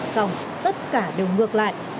xong tất cả đều ngược lại